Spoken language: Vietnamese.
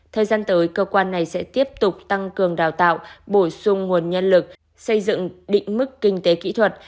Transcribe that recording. thời gian tới cơ quan này sẽ tiếp tục tăng cường đào tạo bổ sung nguồn nhân lực xây dựng định mức kinh tế kỹ thuật